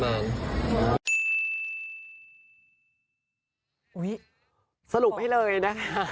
อุ๊ยสรุปให้เลยนะคะ